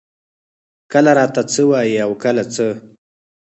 کله راته څۀ وائي او کله څۀ ـ